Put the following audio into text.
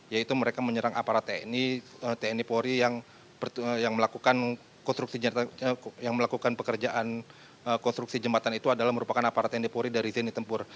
yaitu mereka menyerang aparat tni tni polri yang melakukan pekerjaan konstruksi jembatan itu adalah merupakan aparat tni polri dari zeni tempur